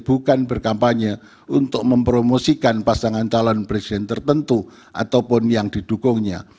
bukan berkampanye untuk mempromosikan pasangan calon presiden tertentu ataupun yang didukungnya